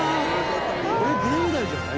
「これ現代じゃない？